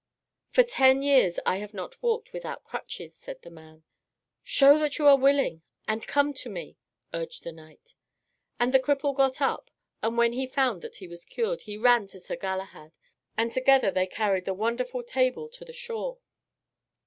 "For ten years I have not walked without crutches," said the man. "Show that you are willing, and come to me," urged the knight. And the cripple got up, and when he found that he was cured, he ran to Sir Galahad, and together they carried the wonderful table to the shore.